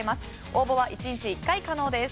応募は１日１回可能です。